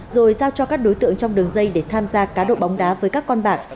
rồi giao cho các đối tượng trong đường dây để tham gia cá độ bóng đá với các con bạc